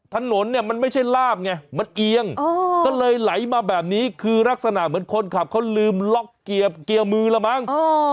ถนนเนี่ยมันไม่ใช่ลาบไงมันเอียงก็เลยไหลมาแบบนี้คือลักษณะเหมือนคนขับเขาลืมล็อกเกียร์มือละมั้ง